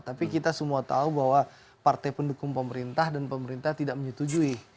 tapi kita semua tahu bahwa partai pendukung pemerintah dan pemerintah tidak menyetujui